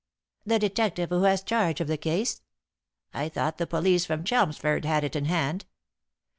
"The detective who has charge of the case." "I thought the police from Chelmsford had it in hand."